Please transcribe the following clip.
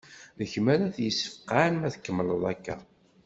D kemm ara t-yesfaqen ma tkemmleḍ akka.